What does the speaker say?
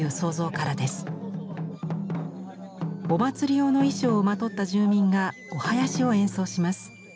お祭り用の衣装をまとった住民がお囃子を演奏します。